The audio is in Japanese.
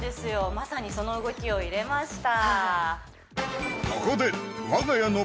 まさにその動きを入れました